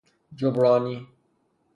جبرانی